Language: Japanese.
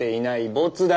ボツだ。